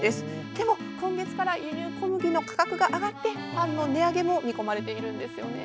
でも今月から輸入小麦の価格が上がってパンの値上げも見込まれているんですよね。